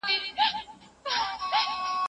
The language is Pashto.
دښاغلی جهانی صاحب دغه شعر